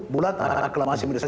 bulat aklamasi militer